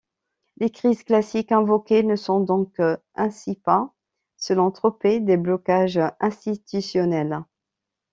Les crises classiques invoquées ne sont donc ainsi pas, selon Troper, des blocages institutionnels.